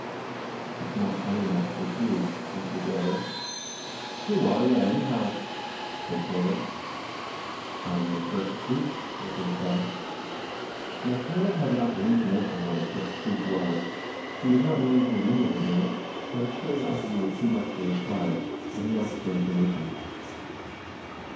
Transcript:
" It's not funny enough for two," answered the other. " Who are you, anyhow ?" said Caleb. " I am the kirk spook," was the reply. Now Caleb had not the least notion what a "kirk spook" was. He was not willing to admit his ignorance, but his curiosity was too much for his pride, and he asked for informa tion.